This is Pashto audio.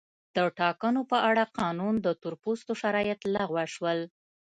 د ټاکنو په اړه قانون د تور پوستو شرایط لغوه شول.